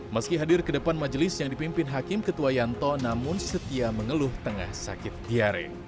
meski hadir ke depan majelis yang dipimpin hakim ketua yanto namun setia mengeluh tengah sakit diare